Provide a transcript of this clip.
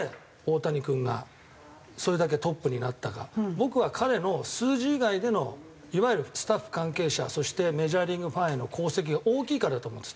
僕は彼の数字以外でのいわゆるスタッフ関係者そしてメジャーリーグファンへの功績が大きいからだと思うんです。